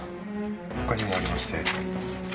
他にもありまして。